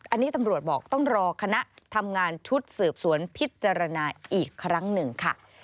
อันนี้ตำรวจบอกต้องรอคณะทำงานชุดสืบสวนพิจารณาอีกครั้งหนึ่งค่ะ